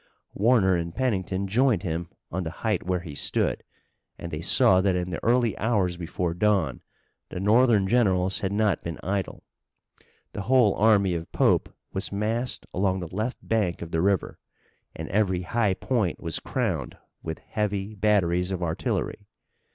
Warner and Pennington joined him on the height where he stood, and they saw that in the early hours before dawn the Northern generals had not been idle. The whole army of Pope was massed along the left bank of the river and every high point was crowned with heavy batteries of artillery.